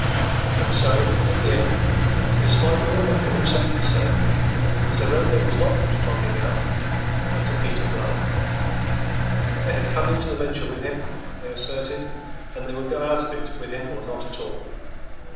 And so, in the end, despite all that Cahusac could say, the surrender was not to Don Miguel, but to Peter Blood. They had come into the venture with him, they asserted, and they would go out of it with him or not at all.